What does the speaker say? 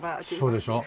そうでしょ？